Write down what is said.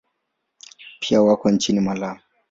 Pia wako nchini Malawi.